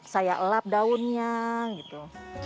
saya elap daunnya gitu